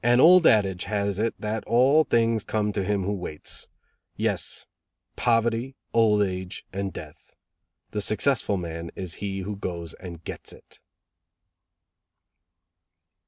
"An old adage has it that all things come to him who waits. Yes: poverty, old age and death. The successful man is he who goes and gets it."